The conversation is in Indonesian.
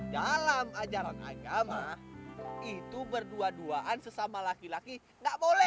dalam ajaran agama itu berdua duaan sesama laki laki nggak boleh